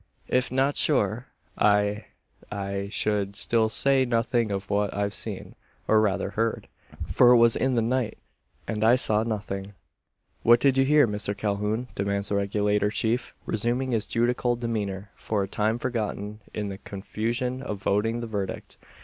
"If not sure I I should still say nothing of what I've seen, or rather heard: for it was in the night, and I saw nothing." "What did you hear, Mr Calhoun?" demands the Regulator Chief, resuming his judicial demeanour, for a time forgotten in the confusion of voting the verdict.